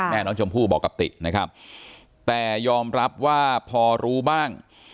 แม่น้องชมพู่บอกกับตินะครับแต่ยอมรับว่าพอรู้บ้าง